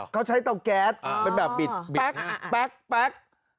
เขาใช้เตาแก๊สเป็นแบบบิดแป๊ก